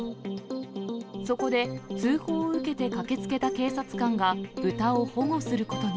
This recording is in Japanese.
そこで通報を受けて駆けつけた警察官が、豚を保護することに。